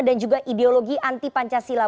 dan juga ideologi anti pancasila